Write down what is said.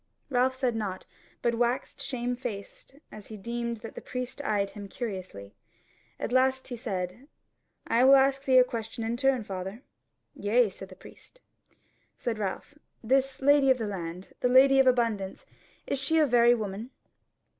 Ralph said nought, but waxed shamefaced as he deemed that the priest eyed him curiously. At last he said: "I will ask thee a question in turn, father." "Yea," said the priest. Said Ralph: "This lady of the land, the Lady of Abundance, is she a very woman?"